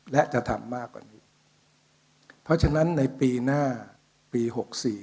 และจะทำมากกว่านี้เพราะฉะนั้นในปีหน้าปีหกสี่